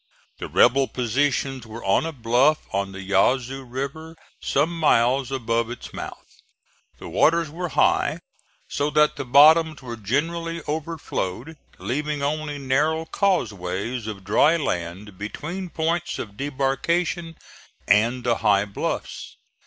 The rebel positions were on a bluff on the Yazoo River, some miles above its mouth. The waters were high so that the bottoms were generally overflowed, leaving only narrow causeways of dry land between points of debarkation and the high bluffs.